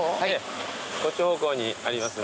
こっち方向にありますんで。